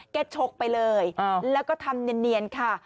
ชกไปเลยแล้วก็ทำเนียนค่ะ